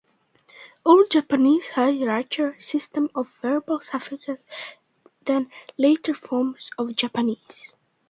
Old Japanese had a richer system of verbal suffixes than later forms of Japanese.